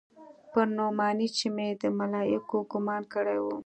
پر نعماني چې مې د ملايکو ګومان کړى و.